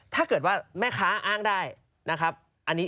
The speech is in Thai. ถ้าเกิดว่าแม่ค้าอ้างได้